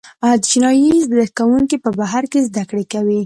چینايي زده کوونکي په بهر کې زده کړې کوي.